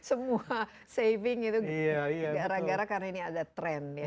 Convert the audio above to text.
semua saving itu gara gara karena ini ada tren ya